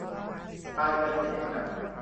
การเงินไม่เด่นนัก